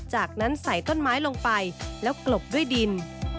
จากนั้นใส่ต้นไม้ลงไปแล้วกลบด้วยดิน